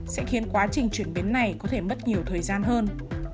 sẽ khiến quá trình chuyển biến này có thể mất nhiều thời gian hơn